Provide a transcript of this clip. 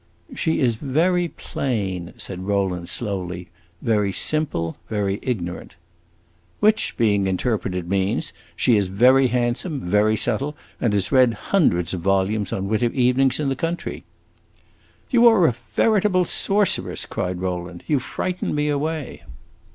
"She is very plain," said Rowland, slowly, "very simple, very ignorant." "Which, being interpreted, means, 'She is very handsome, very subtle, and has read hundreds of volumes on winter evenings in the country.'" "You are a veritable sorceress," cried Rowland; "you frighten me away!"